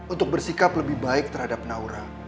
untuk bersikap lebih baik terhadap naura